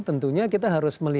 tentunya kita harus mencari